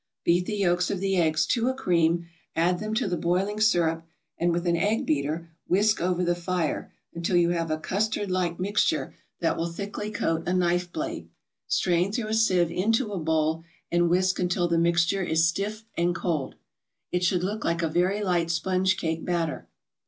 Beat the yolks of the eggs to a cream, add them to the boiling syrup, and with an egg beater whisk over the fire until you have a custard like mixture that will thickly coat a knife blade; strain through a sieve into a bowl, and whisk until the mixture is stiff and cold. It should look like a very light sponge cake batter.